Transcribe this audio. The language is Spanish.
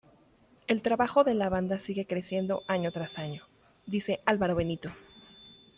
El trabajo de la banda sigue creciendo año tras año, dice Álvaro Benito.